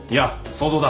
想像だ。